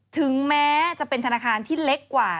ถึงแม้จะเป็นธนาคารที่เล็กกว่า